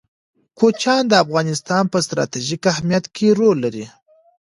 کوچیان د افغانستان په ستراتیژیک اهمیت کې رول لري.